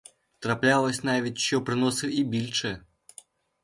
Траплялося навіть, що приносив і більше.